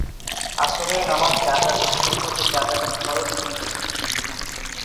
আসরের নামাজ চার রাকাত সুন্নত ও চার রাকাত ফরজ নিয়ে গঠিত।